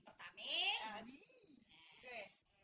sudah sudah sudah